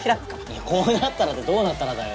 こうなったらってどうなったらだよ。